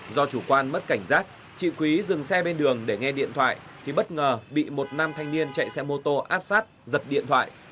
do chủ quan mất cảnh giác chị quý dừng xe bên đường để nghe điện thoại thì bất ngờ bị một nam thanh niên chạy xe mô tô áp sát giật điện thoại